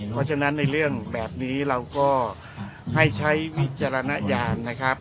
เพราะฉะนั้นในเรื่องแบบนี้เราก็ให้ใช้วิจารณญาณนะครับ